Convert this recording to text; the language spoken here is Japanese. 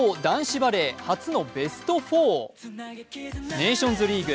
ネーションズリーグ